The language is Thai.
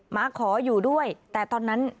มาขออยู่ด้วยแต่ตอนนั้น